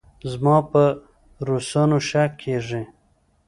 زما په روسانو شک کېږي.